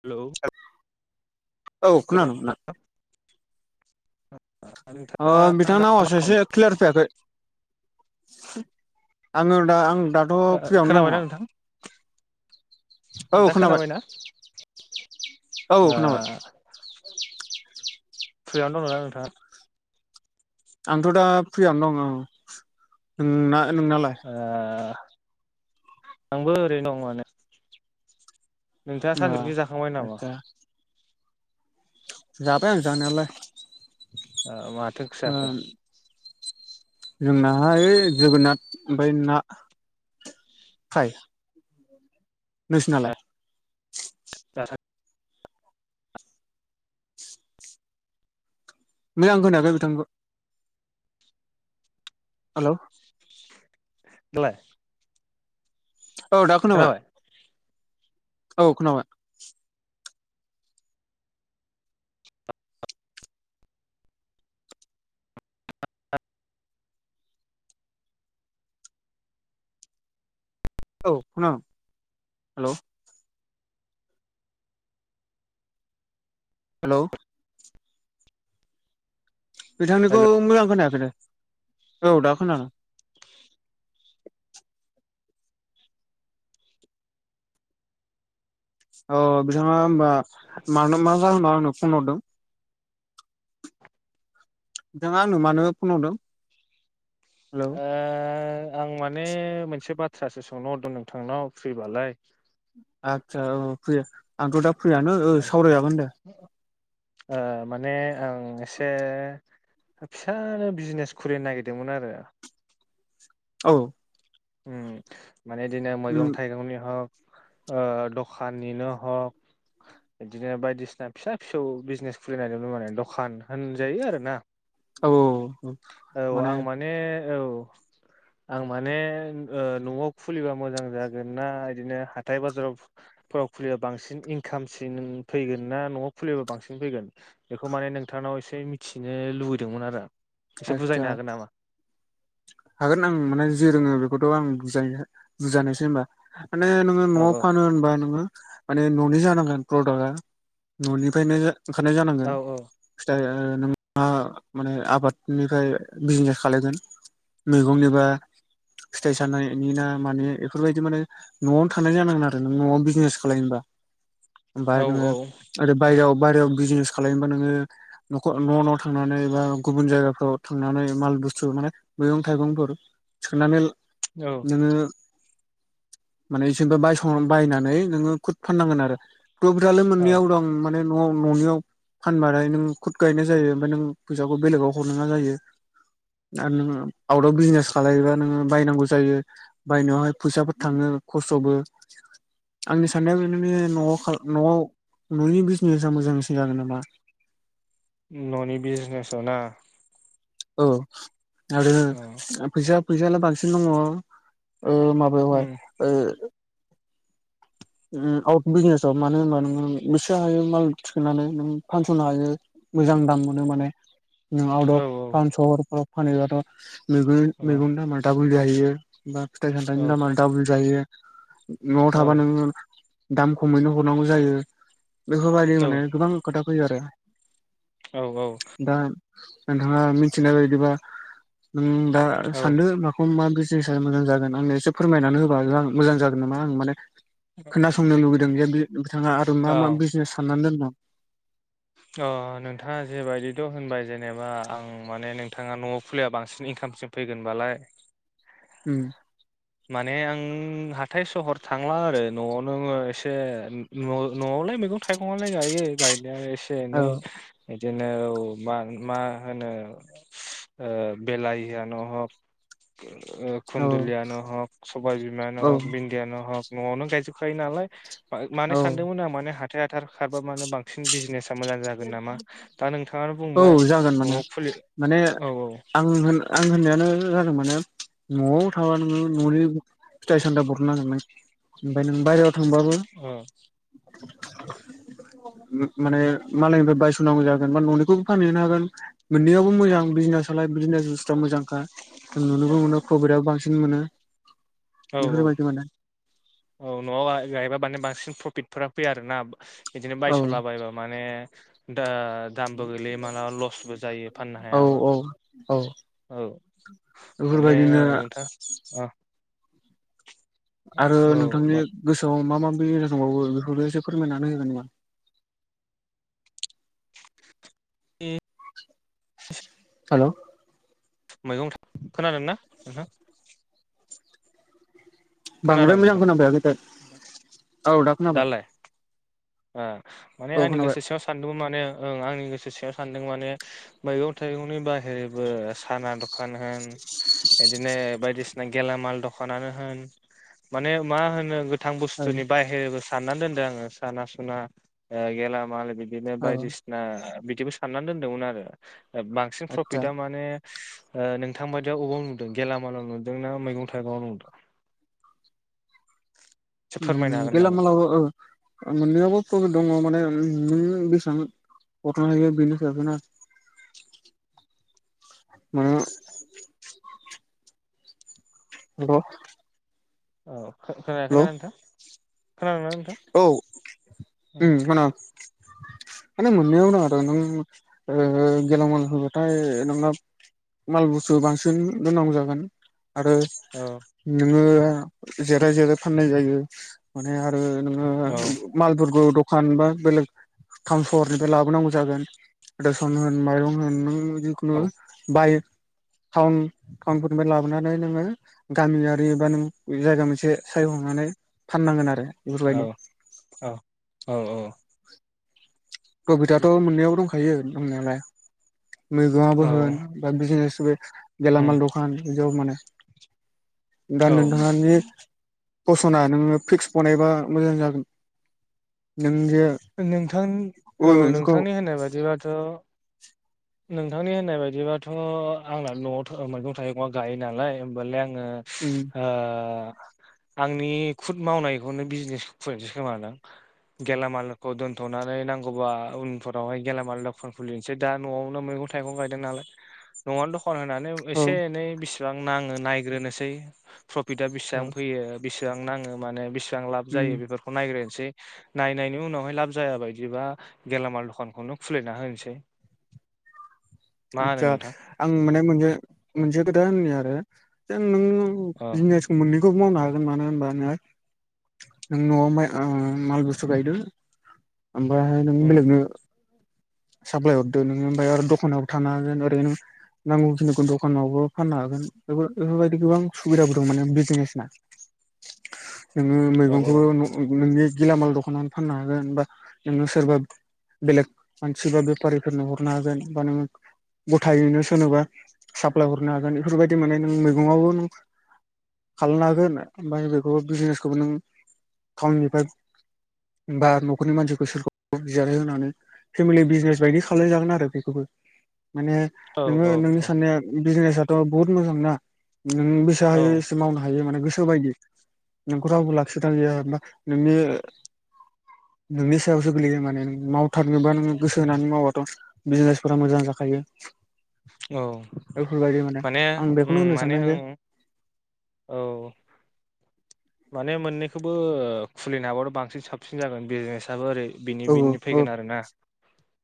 Hello औ खोनादों नोंथां [unintelligible] अ नोंथाङा दा बिथांना मा आवासा एसे क्लियार फैयाखै आङो दा आं दाथ' खालामदों फ्रियावनो खोनाबायना दङ। नोंथां औ दा खोनाबाय खोनाबायना औ आ खोनाबाय फ्रियावनो दङना नोंथाङा आंथ' दा फ्रियावनो दं औ नोंना नोंनालाय आ आंबो ओरैनो दं माने नोंथाङा ओ सानजुफुनि जाखांबाय नामा आदसा जाबाय आं जानायालाय आ माथो ओंख्रि जाखो? जोंना ओय जोगोनाथ ओमफाय ना फ्राय नोसोनालाय दाथा मोजां खोनायाखै बिथांनिखौ हालौ दालाय औ दा खोनाबाय औ खोनाबाय औ खोनां हेलौ हेलौ बिथांनिखौ हेल' मोजां खोनायाखै दे औ दा खोनादों अ बिथाङा ओमबा मानो मा जाहोनाव होनबा आंनो फन हरदों? नोंथांङा आंनो मानो फन हरदों? हेलौ ओ आं माने मोनसे बाथ्रासो सोंनो हरदों नोंथांनाव फ्रिबालाय। आदसा औ फ्रि आंथ दा फ्रियानो सावराय जागोन दे। ओ माने आं एसे फिसानो बिजनेस खुलिनो नागिरदोंमोन आरो औ उम माने बिदिनो मैगं उम थाइगनि हक ओ दखानिनो हक बिदिनो बायदिसिना फिसा फिसौ बिजनेस खुलि नाय दोंमोन माने दखान होनजायो आरो ना? औ औ औ आं माने औ आं माने ओ नआव खुलिबा मोजां जागोन ना बिदिनो हाथाय बाजारावफोराव खुलिबा बांसिन। इनकामसिन फैगोन ना नआव खुलिबा बांसिन फैगोन बेखौ माने नोंथांनाव एसे मिथिनो लुबैदोंमोन आरो एसे आदसा बुजायनो हागोन नामा हागोन आं माने जे रोंङो बेखौथ आं बुजनो बुजानायसै होनबा माने नोङो औ नआव औ फानो होनबा नोङो। माने ननि जानांगोन प्रडाक्टआ न'निफ्रायनो ओंखारनाय औ जानांगोन फिथाइ ओ नोंहा माने आबाद निफ्राय बिजनेस खालायगोन मैगंनिबा फिथाइ सानायनि ना माने बेफोरबायदि माने नआवनो थांनाय जानांगोन आरो नों नआव बिजनेस खालनोबा [inaudible] ओमफाय नोङो ओरै बाहेराव बायहेरायाव बिजनेस खालामबा नोङो नखर न न थांनानै बा गुबुन जायगा फ्राव थांनानै माल बुस्थु माने मैगं थाइगंफोर सोनानै औ नोंङो माने इसोनिफ्राय बायस' बायनानै नोंङो खुद फाननांगोन आरो [unintelligible] औ मोननैयाव दं माने नआव ननियाव फानबथाय नों खुद गायनाय जायो ओमफ्राय नों फैसाखौ बेलेगाव हरनाङा जायो। आरो नोंङो आउट अफ बिजनेस खालामलायोबा नोङो बायनांगौ जायो बायनायावहाय फैसाफोर थांङो। खस्थबो। आंनि साननाया बेाने न नआव ननि बिजनेसा मोजांसिन जागोन नामा। ननि बिजनेसाव ना औ आरो औ फैसा फैसायालाय बांसिन दङ। ओ माबायावहाय उम ओ आउट बिजनेसाव मानो होनबा नोंङो बेसे हायो माल थिखोननानै नों फानसनो हायो। मोजां दाम मोनो माने। आउट औ अफ टाउन सहरफ्राव फानोबाथ मैगं औ औ मैगंनि दामआ दाबोल जाहैयो। बा फिथाइ औ सामथाइनि दामा दाबोल जायो नआव थाबा औ नोङो दाम खमैनो हरनांगौ जायो बेफोरबायदि माने गोबां खोथा फैयो आरो औ औ नोंथांङा मिथिनाय बायदिबा नों दा औ सान्दो माखौ मा? [unintelligible] मोजां जागोन आंनो एसे फोरमायनानै होब्ला मोजां जागोन नामा आं माने खोनासंनो लुुबैदों जे बिथांङा आरो मा औ मा बिजनेस साननानै दोनदों? नोंथांङा जेबायदिथ होनबाय जेनेबा आं माने नोंथांङा नआव फुलिया बांसिन इनकाम सिम फैगोनबालाय? उम माने आं हाथाय सहर थांला आरो नआवनो एसे न न'आव गलाय मैगन थाइ खङाय गायो गाय द एसे औ ए बिदिनो मा मा होनो बेलाहिआनो हक औ खुन्दलया न हक सबबायबिमा न औ हक बिन्दया न हक न'आवनो गायजोबखायो नालाय मान औ सानदोंमोन आं माने हााइ हाथार खारबा मानोे बांसिन बिजनेस औ बुंबाय जागोन माने न'आव फुलि माने औ आं होन आं होननाय [unintelligible] जादों माने न'आव थाबा नोङो न'नि फिथाइ सामथा बरनो नांगोन ओमफ्राय नों बायेरायाव औ माने मालायनिफ्राय बायसनांगौ जागोन बा न'निखौबो फानहैनो हागोन मोननैाबबो मोजां बिजनेसलाय बिदिनो जुस्रा मोजांखा जों नुनोबो मोनो प्रभिट आ बांसिन मोनो औ बेहबायदि मोना औ न'आव गायबा माने बांसिन प्रफिटफोरा फैया आरोोना बिदिनो औ बायस'लाबायबा माने द दामबो गोैलैयो मालाबा लसबो जायो फाननो औ हायाबा औ औ औ माने बेफोरबायदिनो नोंथां अ आरो नोंथांनि गोसोआव मा मा बिजनेंबावो बेखौ एसे फोरमायनानै होगोन नामा ए हेलौ मैगं खोनादों ना नोंहा बांद्राय मोजां नोंथां खोनाबाय आाखैथाय औ दा खोनाबाय दालाय माने औ आंनि खोनाबाय गोसो सिङाव सानदोंमोन माने ओं आंनि गोसो सिङयाव सानदों माने मैगं थाइगंनि बाहेरबो साना दखान होन बिदिनो बायदिसिना गेलामाल दखानानो होन माने मा होनो गोथां औ बुस्थुनि बाहहेरबो साननानै दोनदों आङो साना सुना गेलामाल बिदि बिनो औ बायदिसिना बिदिबो साननानै दोनदोंमोन आरो बांसिन आदसा प्रफिटा माने नोंथां बायदियाव अबेयाव नुदों गेलामालाव नुदों ना मैगं थाइगंआव नुदों [inaudible] फोरमायनो हागोन नामा? गेलामाल मोननैयावबो प्र दङ माने बेसांथ बिनोस जादोंना आरो मान ह औ खोन खोनानोथ औ मान [inaudible] माने मोनैावनो आरो नों गेवलामाल होबाथाय नोंना माल बुस्सु बांसिन गोनां जागोन आरो औ नोङो जाय जेराय फाननाय जायो माने आरो औ मालफोरखौ फानबा बेलेग खाम सहरनिफ्राय लाबोनांगौ जागोन रसन होन माइरं होन नों जिखुनु औ बाय टाउन टाउन फोरनिफ्राय लाबोनानै नोङो गामियारि बा नों जायगा मोनसे साय थांनानै फाननांगोन आरो बेफोरबायदि औ औ औ औ प्रफिटआथ' मोनैाबो दंखायो दंनायालाय औ मैगंआवबो होन बा बिजनेस बे उम गेलामाल दखान बेयाव माने औ गानद दखाननि फसना नोङो फिक्स बनायबा मोजां जागोन नों जे नोंथां औ अबे मोनसेखौ नोंथांनि होननाय बायदिबाथ' नोंथांनि होननाय बायदिबाथ' आंना न'आव मैगं थाइगंआ गायो नालाय होनोमबालाय आं उम आ आंनि खुद मावनायखौनो बिजनेस खुलिनोसो खोमादां आ गेलामाल खौ दोन्थ'नानै नांगौबा उनफोरावहाय गेलामाल दखान खुलिनोसै दा न'आवनो मैगं-थाइगं गायदों नालाय। नङा द फन होनानै औ एसे एनै बिसेबां नाङो नायग्रोनोसै प्रफिटा औ बेसेबां फैयो। बेसेबां नाङो माने बेसेबां लाब जायो उम बेफोरखौ नायग्रोनोसै नायनायनि उनावहाय लाब जाया बायदिबा गेलामाल दखानखौनो खुलिना होनोसै। मा होनो आदसा नोंथां आं माने मोन मोनसे खोथा होननो आरो नों अ जिनिस मोननैखौबो मावनो हागोन मानो होनबा नोंहा नों न'आव माल बुस्थु गायदो ओमफ्राय नों उम बेलेगनो साप्लाय हरदो नोङो ओमफ्राय आरो दखानावबो थानो हागोन ओरै नों नांगौखिनिखौ दखानावबो फाननो हागोन इफोर-बेफोरबायदि गोबां सुबिदाबो दं माने बिजनेसना [inaudible] जोङो औ मैगंखौबो न-नोंनि गिलामाल दख'नानै फाननो हागोन बा नो सोरबा बेलेग मानसि बा बेफारिफोरनो हरनो हागोन बा नोङो गथायैनो सोरनोबा साप्लाय हरनो हागोन बेफोरबायदि मोनाने नों मैगंआवबो नों खालामनो हागोन ओमफ्राय बेखौ बिजनेसखौबो नों टाउननिफ्राय बा न'खरनि मानसिखौ सोरखौ जिरायहोनानै फेमिलि बिजनेस बायदि खालामलायजागोन आरो बेखौबो माने औ नोङो नोंनि औ साननाया बिजनेसाथ' बहुत मोजां ना नों बेसा औ हायो एसे मावनो हायो माने गोसो बायदि नोंखौ रावबो लाखिग्रा गैयाबा नोंनि नोंनि सायावसो गोलैयो माने मावथार बा नोङो गोसो होनानै मावबाथ' बिजनेसफोरा मोजां जाखायो। औ बेफोरबायदि माने आं उम बेखौनो होननो माने सानदों जे ओं औ। माने मोननैखौबो खुलिनो हाब्लाथ' बांसिन साबसिन जागोन बिजनेसाबो ओरै बिनि औ बिनि औ फैगोन आरोना?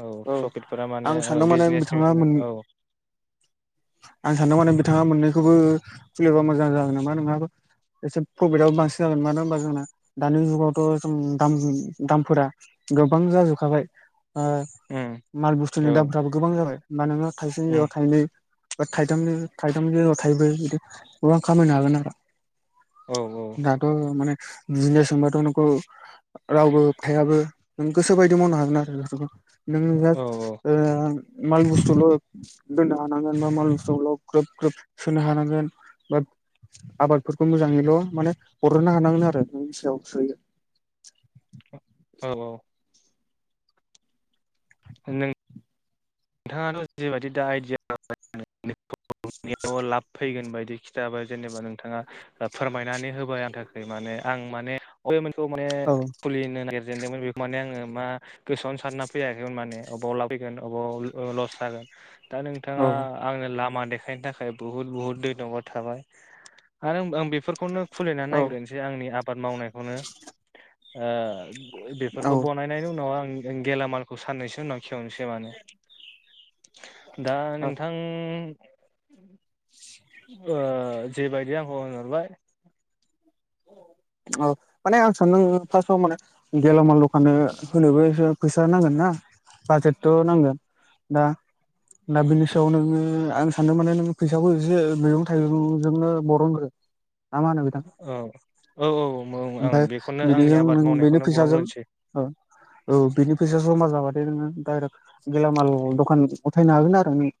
औ प्रफिटफोरा माने आं औ सानदों बिजनेसनि बिथाङा मोन फैगोन औ। आं सानदों माने बिथाङा मोननैखौबो खुलिबा मोजां जागोन नामा नोंनाबो? एसे प्रफिटआबो बांसिन जागोन मानो होनबा जोंना दानि जुगावथ' जों दाम दामफोरा गोबां जाजोबखाबाय ओ उम माल बुस्थुनि औ दामफ्राबो गोबां जाबाय होमबा नोङो थाइसे उम जायगायाव थाइनै बा थाइथाम थाइथाम ज थाइबबो बिदि गोबां खामायनो हागोन आरो। औ दाथ' माने दिनो सोंबाथ' नोंखौ रावबो होब थायाबो जों गोसो बायदि मावनो हागोन आरो बेफोरखौ। नों औ जास्ट ओ माल बुस्थुल' दोननो हानांगोन बा माल बुस्थुल' ग्रोब ग्रोब सोनो हानांगोन। बात आबादफोरखौ मोजाङैल' माने हरनो हानांगोन आरो नोंनि सायाव सोयो। औ औ। नों-थाङाथ' जेबायदि दा आइदिया [unintelligible] लाब फैगोन बायदि खिथाबाय जेनेबा नोंथाङा। फोरमायनानै होबाय आं थाखाय माने आं माने बयेमोनखौ माने औ खुलिनो नागिर दोंमोन बेखौ माने आङो मा गोसोआवनो सानना फैयाखैमोन माने बबाव ला फैगोन अबाव लस जागोन दा नोंथाङा औ आंनो लामा देखायनो थाखाय बुहुत बुहुत दैन'बाथ थाबाय आरो आं बेफोरखौनो खुलिनानै औ नायग्रोनोसै आंनि आबाद मावनायखौनो ओ बेफोरखौ बानायनायनि उनाव आं गेलामालखौ साननैसो उनाव खेवनोसै माने। औ [inaudible] ओ जेबायदि आंखौ होनहरबाय। [inaudible] औ माने आं सानदों फार्स्टआव माने गेलामाल दखान होनोबो एसे फैसा नांगोन ना बाजेटथ' नांगोन दा दा बिनि सायाव नोङो आं सानदों माने नों फैसाखौ एसे मैगं थाइगंजोंनो बरनग्रो ना मा होनो नोंथां? औ औ औ आं ओमफाय बेखौनो आंनि बिदिजों आबाद नों बेनो मावनायखौनो फैसाजों बरनग्रोनोसै ओ औ बिनि फैसााया जमा जाबाथाय नोंङो डाइरेक्ट गेलामाल दखान उथायनो हागोन आरो नों।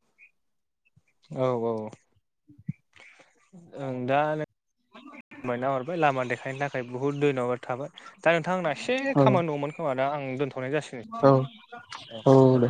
औ औ ओं दा [inaudible] मायना हरबाय लामा देखायनो थाखाय बुहुद दैन'बाद थाबाय। दा नोंथां आंना एसे औ खामानि दङमोन खोमा दा आं दोनथ'नाय जासिगोन औ औ दे